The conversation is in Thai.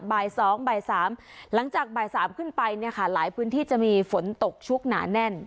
บ่าย๒บ่าย๓หลังจากบ่าย๓ขึ้นไปเนี่ยค่ะหลายพื้นที่จะมีฝนตกชุกหนาแน่น